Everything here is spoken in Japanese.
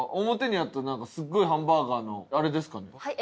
表にあったなんかすごいハンバーガーのあれですかね？